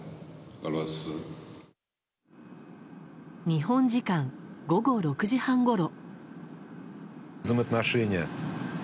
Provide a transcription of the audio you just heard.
日本時間午後６時半ごろ。